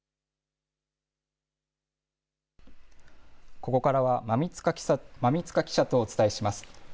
ここからは、馬見塚記者とお伝えします。